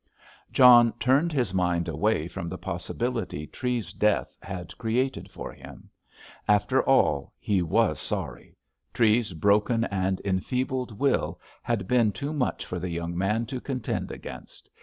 John turned his mind away from the possibilities Treves's death had created for himself. After all, he was sorry. Treves's broken and enfeebled will had been too much for the young man to contend against.